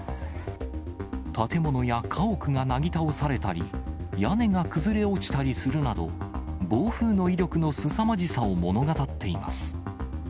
建物や家屋がなぎ倒されたり、屋根が崩れ落ちたりするなど、暴風の威力のすさまじさを物語っています。